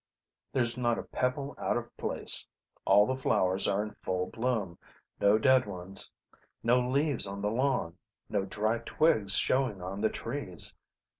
There's not a pebble out of place; all the flowers are in full bloom; no dead ones. No leaves on the lawn; no dry twigs showing on the trees.